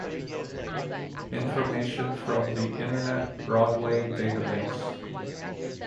Information from the Internet Broadway Database.